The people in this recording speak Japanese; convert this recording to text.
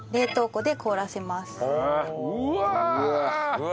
うわ！